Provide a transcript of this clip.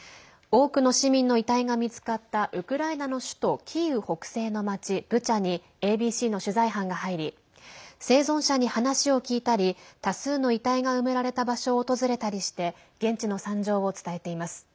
多くの市民の遺体が見つかったウクライナの首都キーウ北西の町ブチャにＡＢＣの取材班が入り生存者に話を聞いたり多数の遺体が埋められた場所を訪れたりして現地の惨状を伝えています。